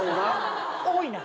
多いな！